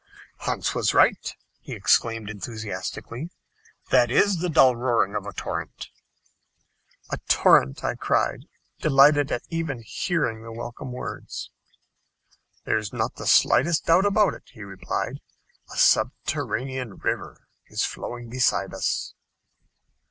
"Hans was right," he exclaimed enthusiastically; "that is the dull roaring of a torrent." "A torrent," I cried, delighted at even hearing the welcome words. "There's not the slightest doubt about it," he replied, "a subterranean river is flowing beside us."